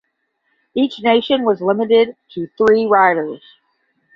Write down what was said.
Each nation was limited to three riders.